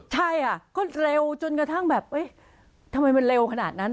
ใช่อ่ะก็เร็วจนกระทั่งแบบทำไมมันเร็วขนาดนั้น